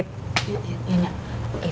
itu artinya pertanda baik